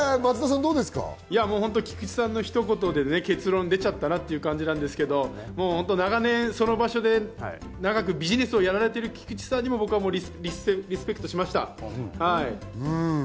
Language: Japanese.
菊池さんの一言で結論が出ちゃったなという感じなんですけど、長年その場所でビジネスをされている菊池さんもリスペクトしました。